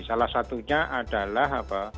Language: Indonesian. salah satunya adalah